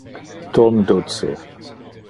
Tom duce.